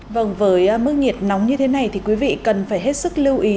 vâng với mức nhiệt nóng như thế này thì quý vị cần phải hết sức lưu ý